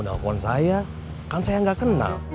bahkan saya nggak kenal